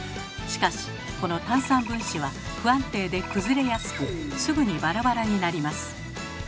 しかしこの炭酸分子は不安定で崩れやすくすぐにバラバラになります。